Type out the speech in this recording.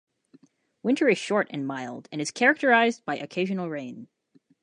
Winter is short and mild, and is characterized by occasional rain.